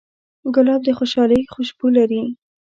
ګلاب د خوشحالۍ خوشبو لري.